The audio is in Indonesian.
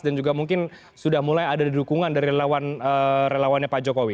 dan juga mungkin sudah mulai ada di dukungan dari relawannya pak jokowi